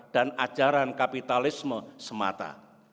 dan ajaran kapitalisme semata